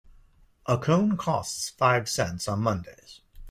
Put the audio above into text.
A cone costs five cents on Mondays.